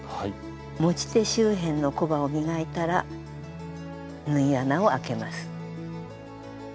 持ち手周辺のコバを磨いたら縫い穴をあけます。